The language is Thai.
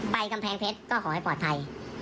กำแพงเพชรก็ขอให้ปลอดภัย